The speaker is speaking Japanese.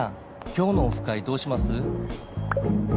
「今日のオフ会どうします？」